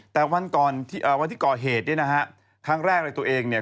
แต่วันที่เกาะเหตุเนี้ยนะฮะครั้งแรกตัวเองเนี่ย